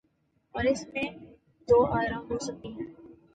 اوراس میں دو آرا ہو سکتی ہیں۔